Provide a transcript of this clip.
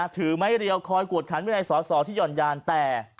ถือไม้รย์ละคลอยกวดครั้นบ้างในสดที่หยอดยานแต่